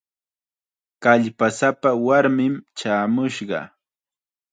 Kallpasapa warmim chaamushqa.